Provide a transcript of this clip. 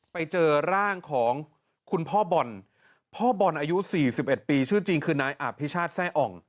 พ่อบอลอายุ๔๑ปีชื่อจริงคือนายอาภิชาติแทร่อ่อง